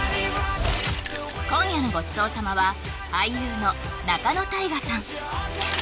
今夜のごちそう様は俳優の仲野太賀さん